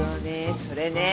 それね。